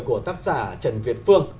của tác giả trần việt phương